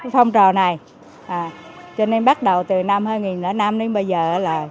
phong trào này cho nên bắt đầu từ năm hai nghìn năm đến bây giờ là